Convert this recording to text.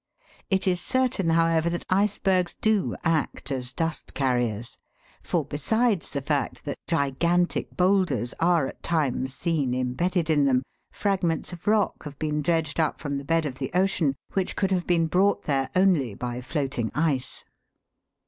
It is certain, however, that icebergs do act as "dust carriers," for besides the fact that gigantic boulders are at times seen embedded in them, fragments of rock have been dredged up from the bed of the ocean, which could have been brought there only by floating ice.